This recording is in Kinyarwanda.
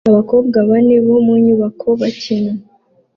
abakobwa bane mu nyubako bakina